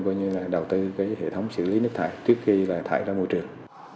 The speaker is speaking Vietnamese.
coi như là đầu tư cái hệ thống xử lý nước thải trước khi là thải ra môi trường